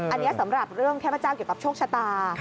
อันนี้สำหรับเรื่องเทพเจ้าเกี่ยวกับโชคชะตา